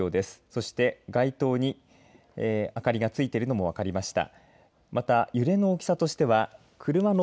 そして街頭に明かりがついているのも分かりました。